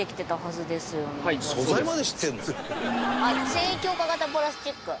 繊維強化型プラスチック。